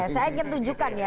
saya akan tunjukkan ya